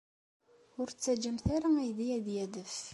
Ur ttaǧǧamt ara aydi ad d-yadef.